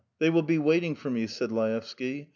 . They will be waiting for me," said Laevsky.